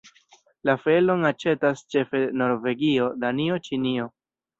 La felon aĉetas ĉefe Norvegio, Danio, Ĉinio.